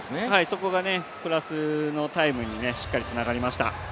そこがプラスのタイムにしっかりつながりました。